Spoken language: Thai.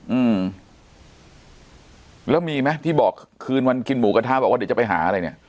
อืมแล้วมีไหมที่บอกคืนวันกินหมูกระทะบอกว่าเดี๋ยวจะไปหาอะไรเนี้ย